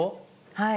はい。